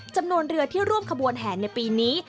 จำนวนเรือที่ร่วมขบวนแห่ในปีนี้